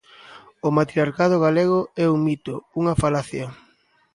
O matriarcado galego é un mito, unha falacia.